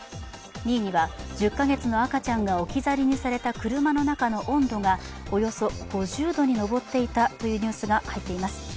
２位には１０か月の赤ちゃんが置き去りにされた車の中の温度がおよそ５０度に上っていたというニュースが入っています。